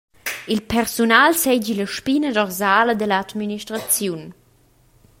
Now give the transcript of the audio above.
Il persunal seigi la spina dorsala dall’administraziun.